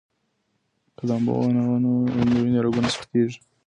که لامبو ونه ووهئ، د وینې رګونه سختېږي.